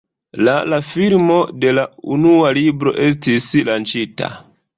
La la filmo de la unua libro estis lanĉita.